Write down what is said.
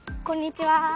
こんにちは。